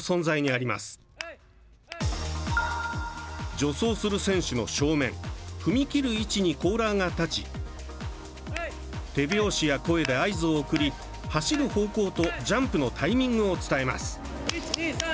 助走する選手の正面踏み切る位置にコーラーが立ち手拍子や声で合図を送り走る方向とジャンプのタイミングを伝えます。